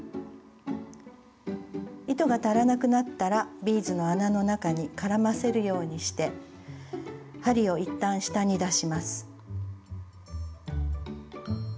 糸が足らなくなったらビーズの穴の中に絡ませるようにして針を一旦下に出します。